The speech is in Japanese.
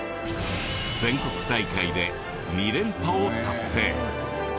全国大会で２連覇を達成。